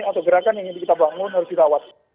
atau gerakan yang ingin kita bangun harus dirawat